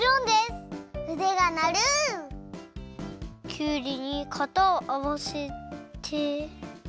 きゅうりにかたをあわせて。